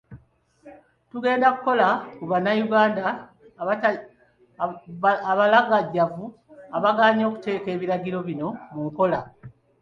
Tugenda kukola ku bannayuganda abalagajjavu abagaanye okuteeka ebiragiro bino mu nkola.